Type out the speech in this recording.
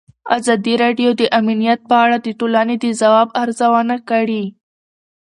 ازادي راډیو د امنیت په اړه د ټولنې د ځواب ارزونه کړې.